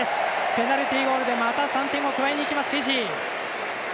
ペナルティゴールでまた３点を加えにいきますフィジー。